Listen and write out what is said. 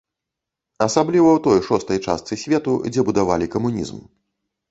Асабліва ў той шостай часты свету, дзе будавалі камунізм.